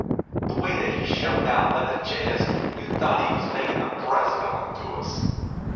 The way that he shoved out leather chairs you'd thought he was makin' a present of 'em to us.